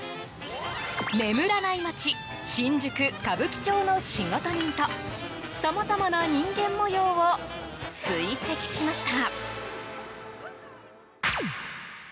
眠らない街新宿・歌舞伎町の仕事人とさまざまな人間模様を追跡しました。